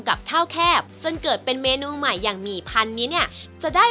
คนแชบจนเกิดเป็นเมนูใหม่อย่างมีพันนิดเนี่ยจะได้